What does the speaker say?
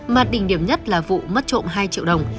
mà đỉnh điểm nhất là vụ mất trộm hai triệu đồng